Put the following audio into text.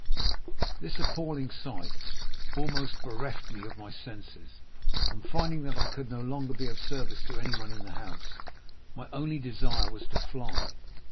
"This appalling sight almost bereft me of my senses, and finding that I could no longer be of service to anyone in the house, my only desire was to fly.